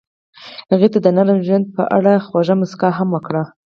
هغې د نرم ژوند په اړه خوږه موسکا هم وکړه.